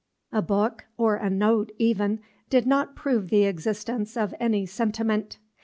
A book, or a note, even, did not prove the existence of any sentiment.